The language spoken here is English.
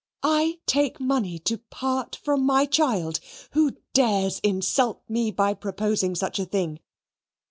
I take money to part from my child! Who dares insult me by proposing such a thing?